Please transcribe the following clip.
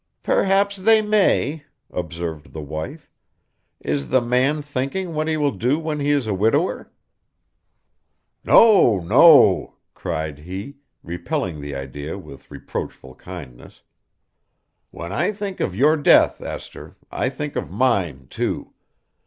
'Perhaps they may,' observed the wife. 'Is the man thinking what he will do when he is a widower?' 'No, no!' cried he, repelling the idea with reproachful kindness. 'When I think of your death, Esther, I think of mine, too.